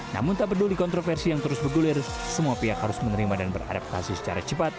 namun tak peduli kontroversi yang terus bergulir semua pihak harus menerima dan beradaptasi secara cepat